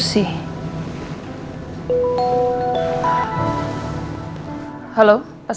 siapa yang malem malem telepon